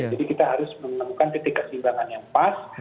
jadi kita harus menemukan titik keseimbangan yang pas